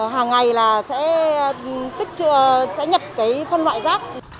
hàng ngày là sẽ nhập cái phân loại rác